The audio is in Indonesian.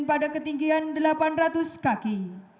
pada ketinggian delapan ratus kaki